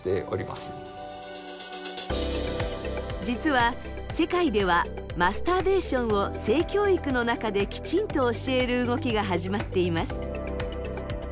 実は世界ではマスターベーションを性教育の中できちんと教える動きが始まっています。